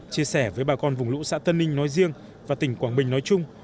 chia sẻ với bà con vùng lũ xã tân ninh nói riêng và tỉnh quảng bình nói chung